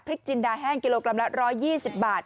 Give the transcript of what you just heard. จินดาแห้งกิโลกรัมละ๑๒๐บาท